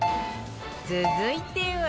続いては